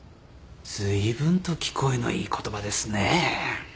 ずいぶんと聞こえのいい言葉ですねぇ。